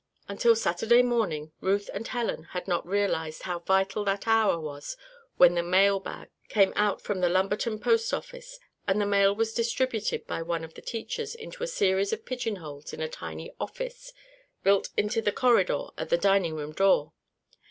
Until Saturday morning Ruth and Helen had not realized how vital that hour was when the mail bag came out from the Lumberton post office and the mail was distributed by one of the teachers into a series of pigeonholes in a tiny "office" built into the corridor at the dining room door.